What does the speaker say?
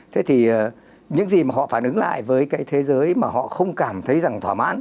thế thì những gì mà họ phản ứng lại với cái thế giới mà họ không cảm thấy rằng thỏa mãn